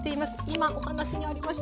今お話にありましたね。